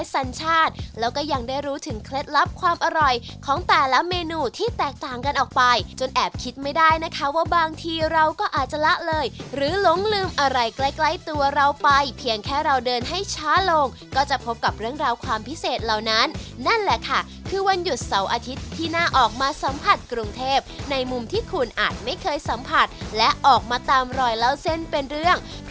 สัญชาติแล้วก็ยังได้รู้ถึงเคล็ดลับความอร่อยของแต่ละเมนูที่แตกต่างกันออกไปจนแอบคิดไม่ได้นะคะว่าบางทีเราก็อาจจะละเลยหรือหลงลืมอะไรใกล้ใกล้ตัวเราไปเพียงแค่เราเดินให้ช้าลงก็จะพบกับเรื่องราวความพิเศษเหล่านั้นนั่นแหละค่ะคือวันหยุดเสาร์อาทิตย์ที่น่าออกมาสัมผัสกรุงเทพในมุมที่คุณอาจไม่เคยสัมผัสและออกมาตามรอยเล่าเส้นเป็นเรื่องเพราะ